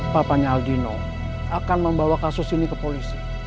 papanya aldino akan membawa kasus ini ke polisi